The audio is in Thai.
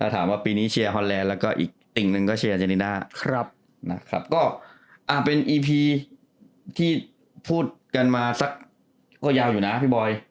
ที่พูดกันมาสักก็ยาวอยู่นะพี่บอย